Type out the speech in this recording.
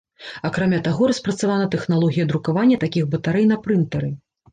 Акрамя таго, распрацавана тэхналогія друкавання такіх батарэй на прынтэры.